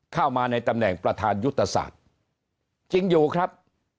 เข้ามาในตำแหน่งประธานยุทธศาสตร์จริงอยู่ครับ